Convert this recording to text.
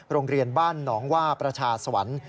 โรงเรียนบ้านหนองว่าประชาสวรรค์